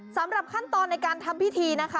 สำหรับขั้นตอนในการทำพิธีนะคะ